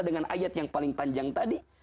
dengan ayat yang paling panjang tadi